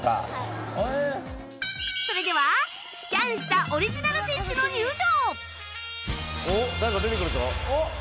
それではスキャンしたオリジナル選手の入場